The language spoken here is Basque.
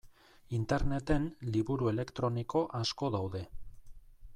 Interneten liburu elektroniko asko daude.